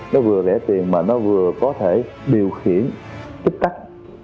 nó vừa rẻ tiền mà nó vừa có thể điều khiển tích tắc